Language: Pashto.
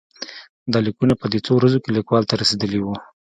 دا لیکونه په دې څو ورځو کې لیکوال ته رسېدلي وو.